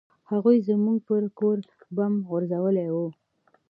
هغوى زموږ پر کور بم غورځولى و.